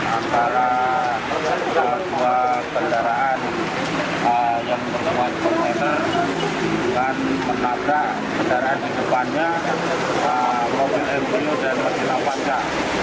antara dua kendaraan yang berjalan menabrak kendaraan di depannya mobil mq dan mesin awanca